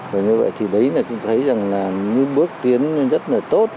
và như vậy thì đấy là chúng thấy rằng là những bước tiến rất là tốt